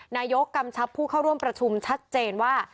นายกกำชับผู้เข้าร่วมประชุมชัดเจนว่า